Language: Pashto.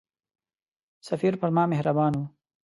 سفیر پر ما مهربان وو.